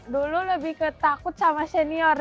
dulu lebih ketakut sama senior